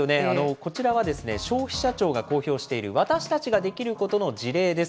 こちらは消費者庁が公表している私たちができることの事例です。